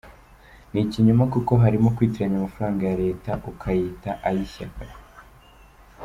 Ni ikinyoma kuko harimo kwitiranya amafaranga ya Leta, ukayita ay’ishyaka.